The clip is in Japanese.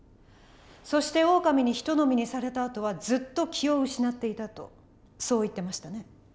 そしてオオカミにひと呑みにされたあとはずっと気を失っていたとそう言ってましたね？